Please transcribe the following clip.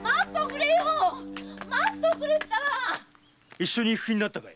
一緒に行く気になったか？